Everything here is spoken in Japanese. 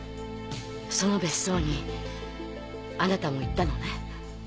その別荘にあなたも行ったのね。